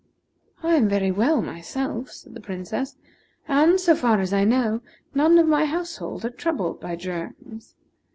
"I am very well, myself," said the Princess, "and, so far as I know, none of my household are troubled by germs.